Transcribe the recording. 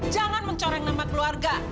jangan mencoreng nama keluarga